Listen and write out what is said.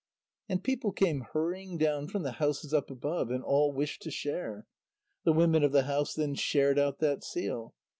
And people came hurrying down from the houses up above, and all wished to share. The women of the house then shared out that seal.